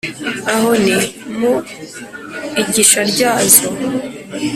Aho ni mu igisha ryazo;